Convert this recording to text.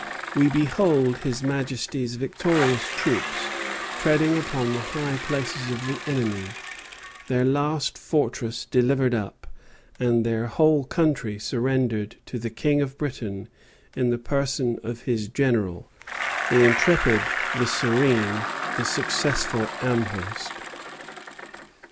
We behold His Majesty's victorious troops treading upon the high places of the enemy, their last fortress delivered up, and their whole country surrendered to the King of Britain in the person of his general, the intrepid, the serene, the successful Amherst."